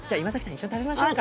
一緒に食べましょうか。